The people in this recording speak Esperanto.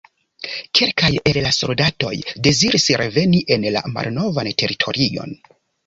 Kelkaj el la soldatoj deziris reveni en la malnovan teritorion.